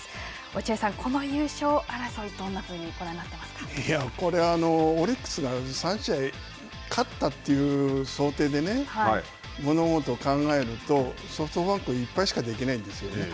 落合さん、この優勝争い、どんなこれはオリックスが３試合、勝ったという想定で物事を考えるとソフトバンクは１敗しかできないんですよ。